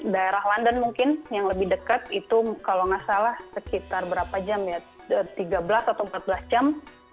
daerah london mungkin yang lebih dekat itu kalau nggak salah sekitar berapa jam ya tiga belas atau empat belas jam